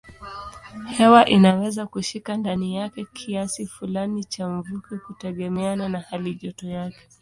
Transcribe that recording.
Hewa inaweza kushika ndani yake kiasi fulani cha mvuke kutegemeana na halijoto yake.